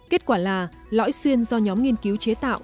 kết quả là lõi xuyên do nhóm nghiên cứu chế tạo